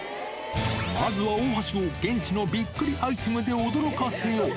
まずは大橋を現地のびっくりアイテムで驚かせよう。